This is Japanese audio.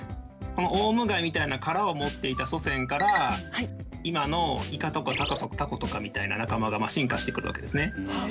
このオウムガイみたいな殻を持っていた祖先から今のイカとかタコとかみたいな仲間が進化してくるわけですね。